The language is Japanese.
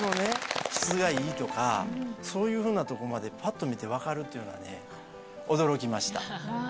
質がいいとかそういうふうなとこまでパッと見て分かるっていうのはね驚きました。